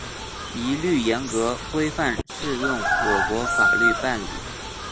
一律严格、规范适用我国法律办理